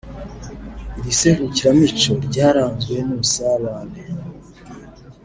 Iri serukiramuco ryaranzwe n’ubusabane